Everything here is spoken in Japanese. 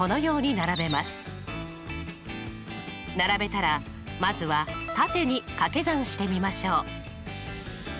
並べたらまずは縦に掛け算してみましょう。